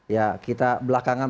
ya kita belakangan